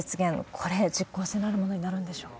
これ、実効性のあるものになるんでしょうか？